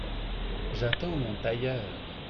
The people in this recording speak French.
J’attends mon tailleur.